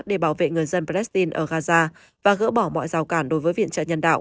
để bảo vệ người dân palestine ở gaza và gỡ bỏ mọi rào cản đối với viện trợ nhân đạo